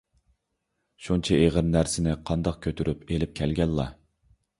شۇنچە ئېغىر نەرسىنى قانداق كۆتۈرۈپ ئېلىپ كەلگەنلا؟